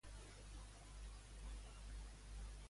Què va fer un verdum que va sorgir de sobte?